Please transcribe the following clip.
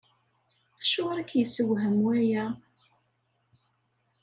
Acuɣer i k-yessewhem waya?